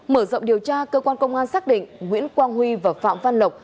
mở rộng điều tra cơ quan công an xác định nguyễn quang huy và phạm văn lộc